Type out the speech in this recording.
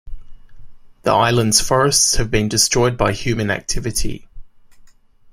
The island's forests have been destroyed by human activity.